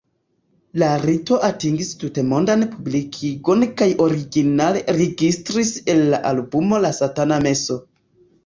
La rito atingis tutmondan publikigon kaj originale registris en la albumo La Satana Meso.